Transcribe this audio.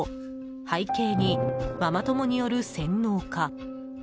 背景にママ友による洗脳か。